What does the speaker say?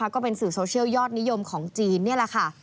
ก็เป็นสื่อโซเชียลยอดนิยมของจีนนี่แหละค่ะ